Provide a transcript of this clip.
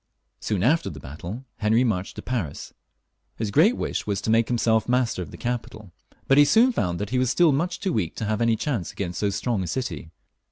Soon after this battle Henry marched to Paris. His great wish was to make himself master of the capital, but he soon found that he was still much too weak to have any chance against so strong a city.